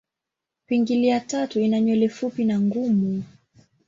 Pingili ya tatu ina nywele fupi na ngumu.